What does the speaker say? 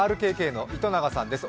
ＲＫＫの糸永さんです。